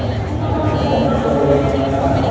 สวัสดีสวัสดีสวัสดี